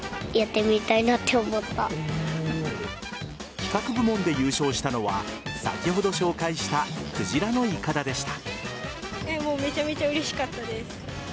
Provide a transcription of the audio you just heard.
企画部門で優勝したのは先ほど紹介したクジラのいかだでした。